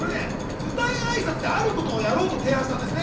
舞台挨拶であることをやろうと提案したんですね。